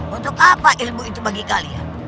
untuk apa ilmu itu bagi kalian